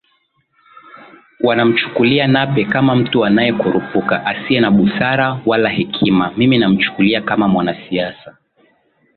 wanamchukulia Nape kama mtu anayekurupuka asiye na busara wala hekima Mimi namchukulia kama mwanasiasa